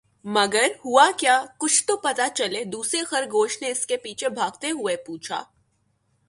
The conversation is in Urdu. مگر ہوا کیا؟ کچھ تو پتا چلے!“دوسرے خرگوش نے اس کے پیچھے بھاگتے ہوئے پوچھا۔